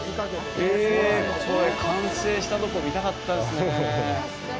え、これ完成したところ見たかったですね。